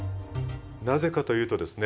なぜかというとですね